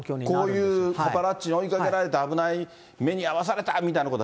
こういうパパラッチに追いかけられて危ない目に遭わされたみ